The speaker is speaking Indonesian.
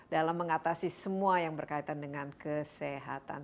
dalam mengatasi semua yang berkaitan dengan kesehatan